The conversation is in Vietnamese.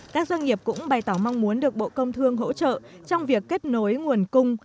các doanh nghiệp cũng bày tỏ mong muốn được bộ công thương hỗ trợ trong việc kết nối nguồn cung